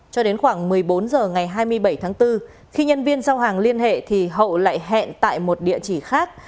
cho đến khoảng một mươi bốn h ngày hai mươi bảy tháng bốn khi nhân viên giao hàng liên hệ thì hậu lại hẹn tại một địa chỉ khác